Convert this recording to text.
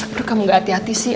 terus kamu gak hati hati sih